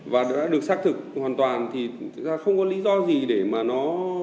và đã được xác thực hoàn toàn thì không có lý do gì để mà nó